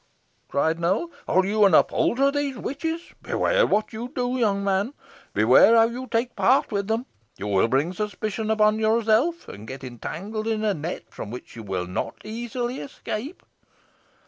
cried Newell, "are you an upholder of these witches? Beware what you do, young man. Beware how you take part with them. You will bring suspicion upon yourself, and get entangled in a net from which you will not easily escape."